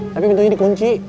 tapi pintunya dikunci